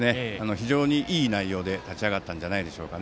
非常にいい内容で立ち上がったんじゃないでしょうか。